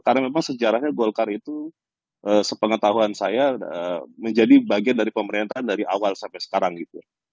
karena memang sejarahnya golkar itu sepengetahuan saya menjadi bagian dari pemerintahan dari awal sampai sekarang gitu